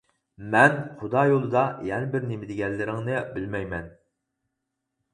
-مەن خۇدا يولىدا، يەنە بىرنېمە. دېگەنلىرىڭنى بىلمەيمەن.